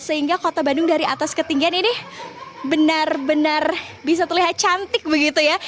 sehingga kota bandung dari atas ketinggian ini benar benar bisa terlihat cantik begitu ya